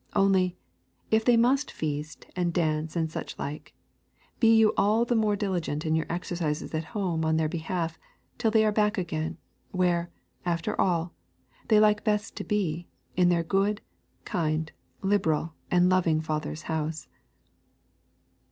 Only, if they must feast and dance and such like, be you all the more diligent in your exercises at home on their behalf till they are back again, where, after all, they like best to be, in their good, kind, liberal, and loving father's house.